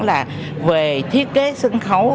là về thiết kế sân khấu